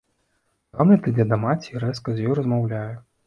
Гамлет ідзе да маці і рэзка з ёю размаўляе.